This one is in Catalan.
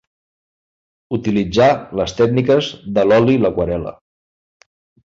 Utilitzà les tècniques de l'oli i l'aquarel·la.